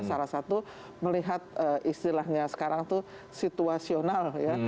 salah satu melihat istilahnya sekarang itu situasional ya